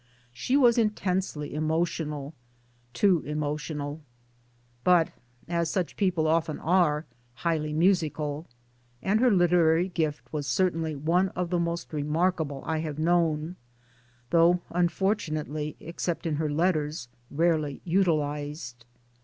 She was intensely emotional, too emotional, but as such people often are highly musical ; and her literary gift was cer tainly one of the most remarkable I have known though unfortunately, except in her letters, rarely utilized.